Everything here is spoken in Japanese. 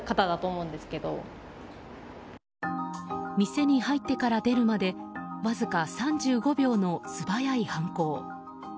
店に入ってから出るまでわずか３５秒の素早い犯行。